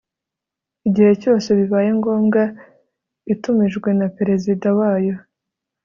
igihe cyose bibaye ngombwa itumijwe na perezida wayo